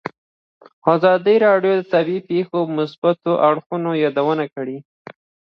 ازادي راډیو د طبیعي پېښې د مثبتو اړخونو یادونه کړې.